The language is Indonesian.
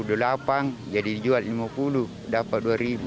harga empat puluh delapan jadi jual lima puluh dapat dua ribu